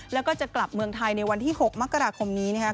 แล้วก็จะกลับเมืองไทยในวันที่๖มกราคมนี้นะครับ